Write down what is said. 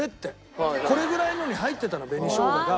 これぐらいのに入ってたの紅生姜が。